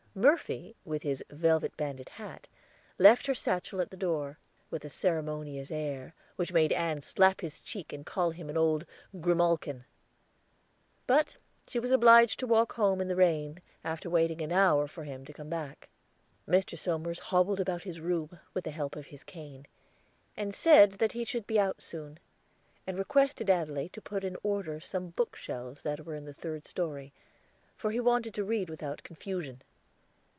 Murphy, with his velvet banded hat, left her satchel at the door, with a ceremonious air, which made Ann slap his cheek and call him an old grimalkin. But she was obliged to walk home in the rain, after waiting an hour for him to come back. Mr. Somers hobbled about his room, with the help of his cane, and said that he should be out soon, and requested Adelaide to put in order some book shelves that were in the third story, for he wanted to read without confusion.